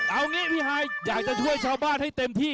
เอางี้พี่ฮายอยากจะช่วยชาวบ้านให้เต็มที่